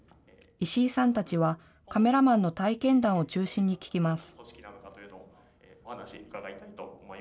石井さんたちは、カメラマンの体験談を中心に聞きます。